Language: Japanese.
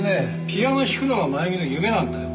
ピアノを弾くのが真由美の夢なんだよ。